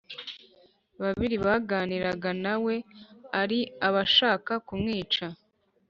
babiri baganiraga na we ari abashaka kumwica